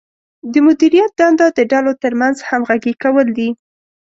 د مدیریت دنده د ډلو ترمنځ همغږي کول دي.